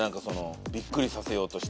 びっくりさせようとしてる。